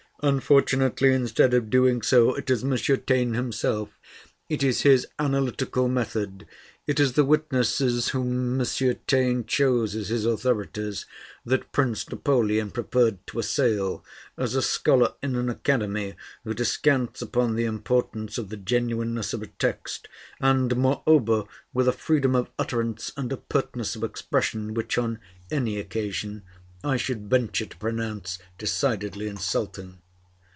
Unfortunately, instead of doing so, it is M. Taine himself, it is his analytical method, it is the witnesses whom M. Taine chose as his authorities, that Prince Napoleon preferred to assail, as a scholar in an Academy who descants upon the importance of the genuineness of a text, and moreover with a freedom of utterance and a pertness of expression which on any occasion I should venture to pronounce decidedly insulting.